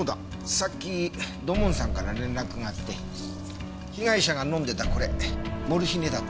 さっき土門さんから連絡があって被害者が飲んでたこれモルヒネだって。